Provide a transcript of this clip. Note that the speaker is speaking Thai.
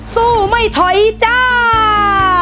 สู้ไม่ถอยจ้า